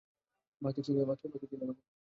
বাকে, চিনে আমাকে।